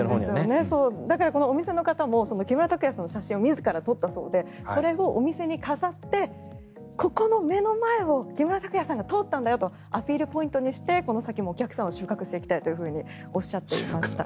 だからお店の方も木村拓哉さんの写真を自ら撮ったそうでそれをお店に飾ってここの目の前を木村拓哉さんが通ったんだよとアピールポイントにしてこの先もお客さんを収穫していきたいとおっしゃっていました。